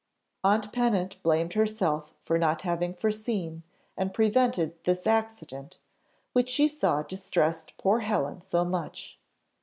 Aunt Pennant blamed herself for not having foreseen, and prevented this accident, which she saw distressed poor Helen so much.